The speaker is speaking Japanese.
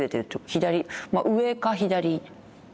左上か左。